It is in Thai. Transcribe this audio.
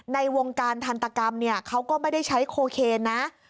ในวงการทันตกรรมเนี่ยเขาก็ไม่ได้ใช้โคเคนนะ